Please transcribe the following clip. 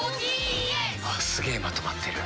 すげえまとまってる。